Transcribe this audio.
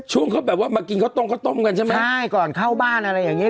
ช่วงเขาแบบว่ามากินข้าวต้มข้าวต้มกันใช่ไหมใช่ก่อนเข้าบ้านอะไรอย่างเงี